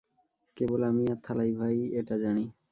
কেবল আমি আর থালাইভা-ই এটা জানি।